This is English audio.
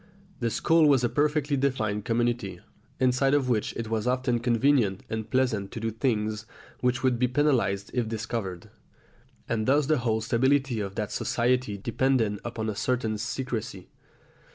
The school was a perfectly definite community, inside of which it was often convenient and pleasant to do things which would be penalised if discovered; and thus the whole stability of that society depended upon a certain secrecy.